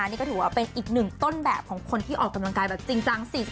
นี่ก็ถือว่าเป็นอีกหนึ่งต้นแบบของคนที่ออกกำลังกายแบบจริงจัง